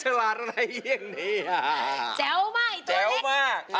แจ้วมากตัวนี้พี่ฟางแก้มแจ้วมาก